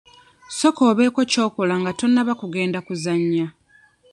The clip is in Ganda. Sooka obeeko ky'okola nga tonnaba kugenda kuzannya.